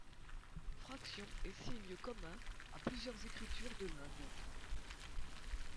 Fractions et signes communs à plusieurs écritures de l’Inde.